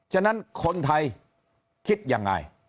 ฉะนั้นคนไทยคิดยังไง